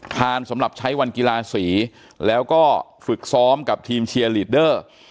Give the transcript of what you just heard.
สำหรับใช้วันกีฬาสีแล้วก็ฝึกซ้อมกับทีมเชียร์ลีดเดอร์